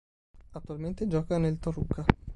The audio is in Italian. Attualmente gioca nel Toluca.